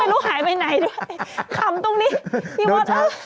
หนูหายไปไหนด้วยขำตรงนี้พี่มด